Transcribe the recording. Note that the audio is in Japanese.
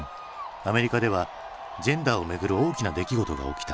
アメリカではジェンダーをめぐる大きな出来事が起きた。